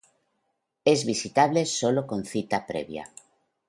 Es visitable sólo con cita previa.